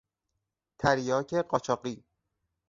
تریاک قاچاقی